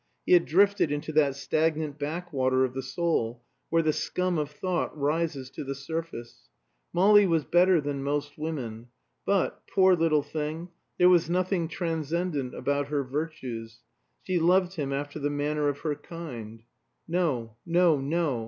He had drifted into that stagnant backwater of the soul where the scum of thought rises to the surface. Molly was better than most women; but, poor little thing, there was nothing transcendent about her virtues. She loved him after the manner of her kind. No no no.